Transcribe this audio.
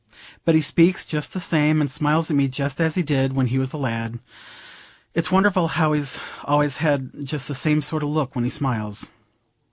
But he speaks just the same, and smiles at me just as he did when he was a lad. It's wonderful how he's always had just the same sort o' look when he smiles."